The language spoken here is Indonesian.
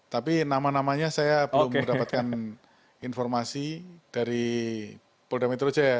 tapi nama namanya saya belum mendapatkan informasi dari polda metro jaya